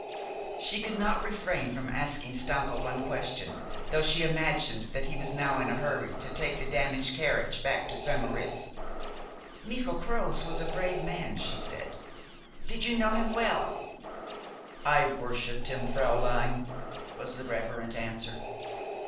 She could not refrain from asking Stampa one question, though she imagined that he was now in a hurry to take the damaged carriage back to St. Moritz. "Michel Croz was a brave man," she said. "Did you know him well?" "I worshiped him, fräulein," was the reverent answer.